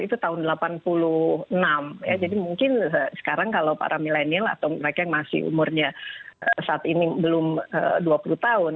itu tahun seribu sembilan ratus delapan puluh enam ya jadi mungkin sekarang kalau para milenial atau mereka yang masih umurnya saat ini belum dua puluh tahun